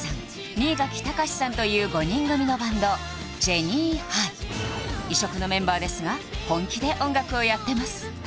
新垣隆さんという５人組のバンドジェニーハイ異色のメンバーですが本気で音楽をやってます